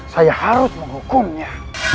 saya harus menghukumnya